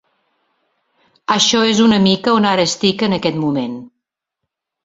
Això és una mica on ara estic en aquest moment.